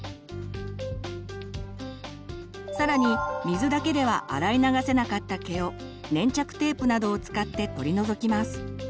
更に水だけでは洗い流せなかった毛を粘着テープなどを使って取り除きます。